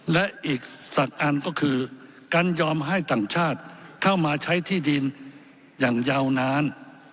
และอีกสักอันก็คือการยอมให้ต่างชาติเข้ามาใช้ที่ดินอย่างยาวนาน